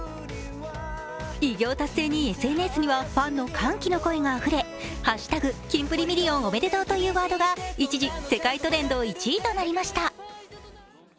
偉業達成にＳＮＳにはファンの歓喜の声があふれ「＃キンプリミリオンおめでとう」というワードが一時、世界トレンド１位となりました。